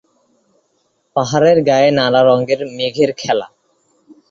পাহাড়ের গায়ে নানা রঙের মেঘের খেলা।